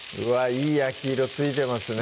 いい焼き色ついてますね